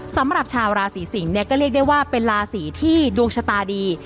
สำหรับชาวราศีสิงศ์เนี่ยก็เรียกได้ว่าเป็นราศีที่ดวงชะตาดี